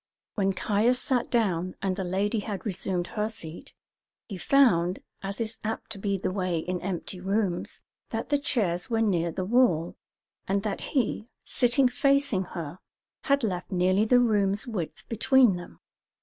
When Caius sat down, and the lady had resumed her seat, he found, as is apt to be the way in empty rooms, that the chairs were near the wall, and that he, sitting facing her, had left nearly the room's width between them.